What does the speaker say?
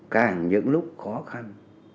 càng những lúc khó khăn